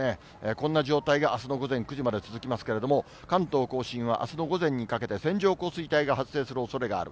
こんな状態があすの午前９時まで続きますけれども、関東甲信はあすの午前にかけて、線状降水帯が発生するおそれがある。